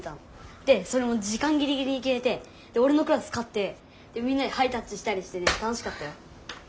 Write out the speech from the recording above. でそれも時間ギリギリにきめておれのクラスかってみんなでハイタッチしたりしてね楽しかったよ。